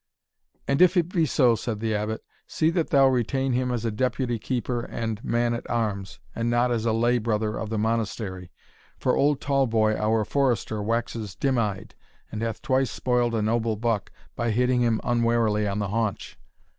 "And if it be so," said the Abbot, "see that thou retain him as a deputy keeper and man at arms, and not as a lay brother of the Monastery for old Tallboy, our forester, waxes dim eyed, and hath twice spoiled a noble buck, by hitting him unwarily on the haunch.